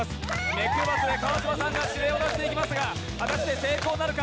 目配せで川島さんが指令を出していきますが、果たして成功なるか。